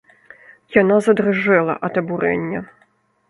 Яна задрыжала ад абурэння.